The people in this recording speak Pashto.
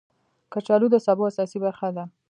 کچالو د سبو اساسي برخه ده